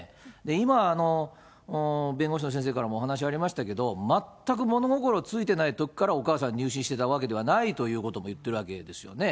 今、弁護士の先生からもお話ありましたけれども、全く物心ついてないときからお母さん、入信していたわけではないということも言ってるわけですよね。